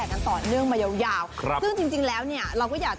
ขอต้อนรับคุณชนาเดพิรุธนามงคล